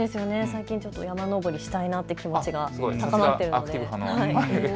最近、山登りしたいなという気持ちが高まっているので。